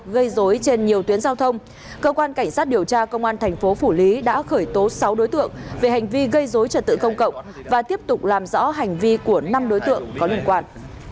gây dối trên nhiều tuyến giao thông cơ quan cảnh sát điều tra công an thành phố phủ lý đã khởi tố sáu đối tượng về hành vi gây dối trật tự công cộng và tiếp tục làm rõ hành vi của năm đối tượng có liên quan